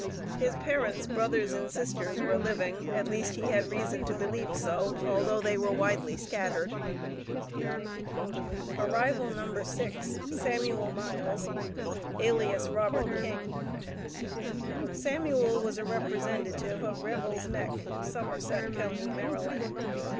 His parents, brothers, and sisters were living, at least he had reason to believe so, although they were widely scattered. Arrival No. 6. Samuel Miles, alias Robert King. Samuel was a representative of Revel's Neck, Somerset Co., Md.